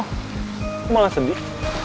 kamu malah sedih